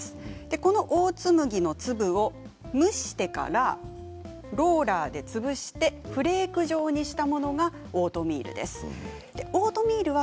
このオーツ麦の粒を蒸してからローラーで潰してフレーク状にしたものがオートミールです。